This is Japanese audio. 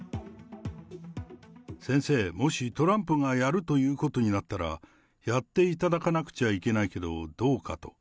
先生、もしトランプがやるということになったら、やっていただかなくちゃいけないけどどうかと。